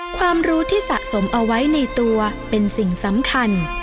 ความรู้ที่สะสมเอาไว้ในตัวเป็นสิ่งสำคัญ